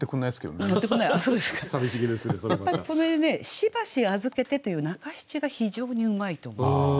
これね「暫し預けて」という中七が非常にうまいと思います。